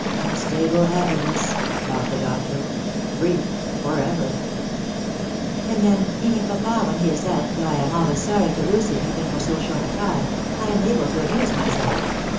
"Unstable happiness," thought the doctor. "Brief for ever." " And then, even when papa is out — though I am always sorry to lose him even for so short a time — I am able to amuse myself.